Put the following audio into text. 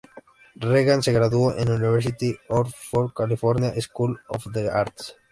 Regan se graduó del "University of North Carolina School of the Arts".